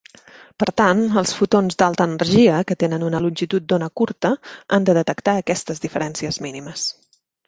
Per tant, els fotons d'alta energia que tenen una longitud d'ona curta han de detectar aquestes diferències mínimes.